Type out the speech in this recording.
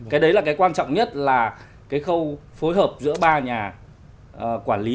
cái đấy là cái quan trọng nhất là cái khâu phối hợp giữa ba nhà quản lý